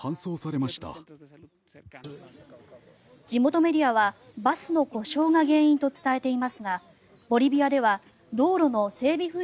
地元メディアはバスの故障が原因と伝えていますがボリビアでは道路の整備